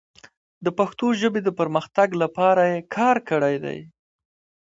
د پښتو ژبې د پرمختګ لپاره یې کار کړی دی.